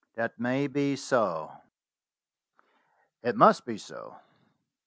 "That may be so." "It must be so.